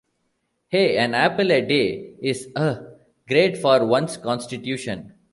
Hey, an apple a day is...uh...great for one's constitution!